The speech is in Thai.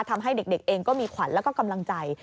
ทำให้เด็กเองก็มีขวัญแล้วก็กำลังใจ